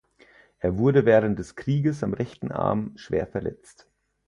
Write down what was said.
Er wurde während des Krieges am rechten Arm schwer verletzt.